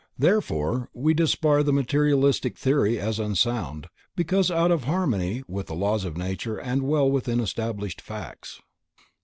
Therefore we disbar the materialistic theory as unsound, because out of harmony with the laws of nature and with well established facts.